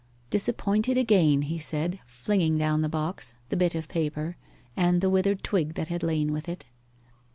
'Disappointed again,' he said, flinging down the box, the bit of paper, and the withered twig that had lain with it.